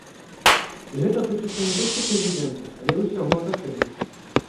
І гэта тычыцца не толькі прэзідэнта, але і ўсяго атачэння.